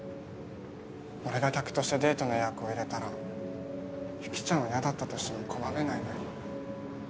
俺が客としてデートの予約を入れたら雪ちゃんは嫌だったとしても拒めないのに。